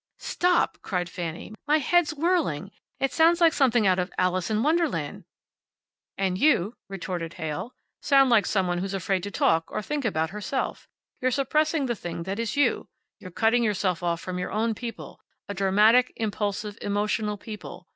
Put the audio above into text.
"Stop!" cried Fanny. "My head's whirling. It sounds like something out of `Alice in Wonderland.'" "And you," retorted Heyl, "sound like some one who's afraid to talk or think about herself. You're suppressing the thing that is you. You're cutting yourself off from your own people a dramatic, impulsive, emotional people.